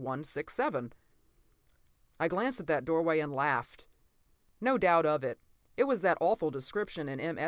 p> I glanced at that doorway and laughed. No doubt of it, it was that awful description in M.